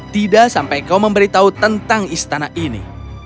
tidak sampai kau memberitahu tentang istana ini